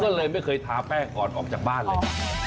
ก็เลยไม่เคยทาแป้งก่อนออกจากบ้านเลย